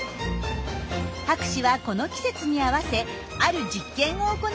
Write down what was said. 博士はこの季節に合わせある実験を行うことにしました。